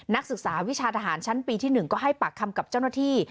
นักศึกษาวิชาทหารชั้นปีที่๑ก็ให้ปากคำกับเจ้าหน้าที่